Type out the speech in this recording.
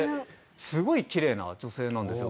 すごいきれいな女性なんですよ。